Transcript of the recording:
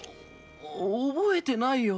覚えてないよ。